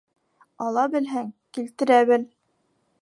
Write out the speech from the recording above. Ала белһәң, килтерә бел.